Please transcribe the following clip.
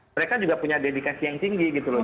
mereka juga punya dedikasi yang tinggi gitu loh